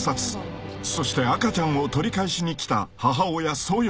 ［そして赤ちゃんを取り返しに来た母親］